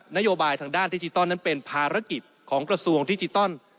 นโยบายทางด้านดิจิทัลนั้นเป็นภารกิจของกระทรวงดิจิตอล